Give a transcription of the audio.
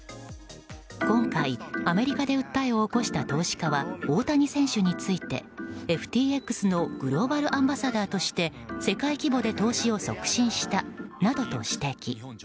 今回、アメリカで訴えを起こした投資家は大谷選手について、ＦＴＸのグローバル・アンバサダーとして世界規模で投資を促進したなどと指摘。